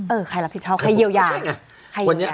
เออใครรับผิดชาวใครเยียวยา